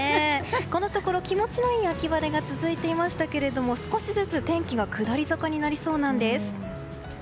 このところ気持ちのいい秋晴れが続いていましたけど少しずつ天気が下り坂になりそうです。